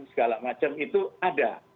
segala macam itu ada